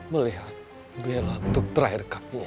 melihat bella untuk terakhir kalinya